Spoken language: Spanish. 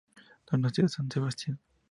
Donostia San Sebastian.